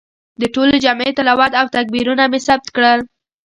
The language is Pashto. د ټولې جمعې تلاوت او تکبیرونه مې ثبت کړل.